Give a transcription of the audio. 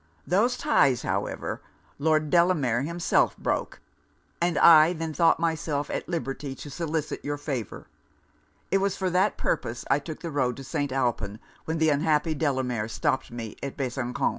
Those ties, however, Lord Delamere himself broke; and I then thought myself at liberty to solicit your favour. It was for that purpose I took the road to St. Alpin, when the unhappy Delamere stopped me at Besançon.